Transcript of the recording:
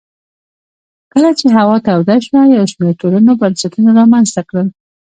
کله چې هوا توده شوه یو شمېر ټولنو بنسټونه رامنځته کړل